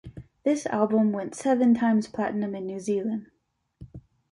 This album went seven times platinum in New Zealand.